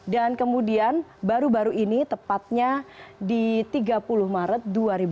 dan kemudian baru baru ini tepatnya di tiga puluh maret dua ribu enam belas